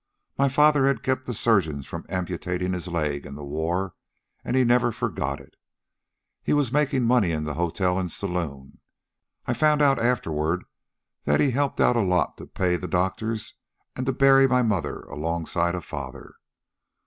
My father had kept the surgeons from amputating his leg in the war, and he never forgot it. He was making money in the hotel and saloon, and I found out afterward he helped out a lot to pay the doctors and to bury my mother alongside of father.